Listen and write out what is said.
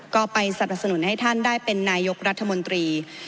ก็ไปสนับสนุนให้ท่านได้เป็นนายกรัฐมนตรี